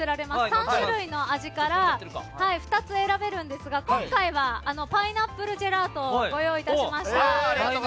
３種類の味から２つ選べるんですが今回はパイナップルジェラートをご用意いたしました。